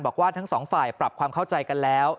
บอกว่าทั้งสองฝ่ายปรับความเข้าใจกันแล้ว